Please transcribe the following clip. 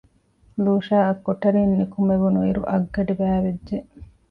ލޫޝާއަށް ކޮޓަރިން ނުކުމެވުނު އިރު އަށްގަޑި ބައިވެއްޖެ